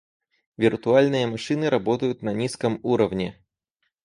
Виртуальные машины работают на низком уровне